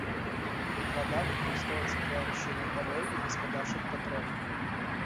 Вада выкарыстоўваецца для арашэння палёў і гаспадарчых патрэб.